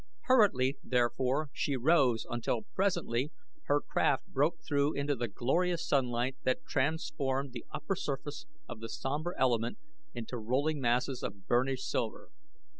Hurriedly, therefore, she rose until presently her craft broke through into the glorious sunlight that transformed the upper surface of the somber element into rolling masses of burnished silver.